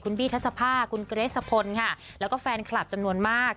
บี้ทัศภาคุณเกรสสะพลค่ะแล้วก็แฟนคลับจำนวนมาก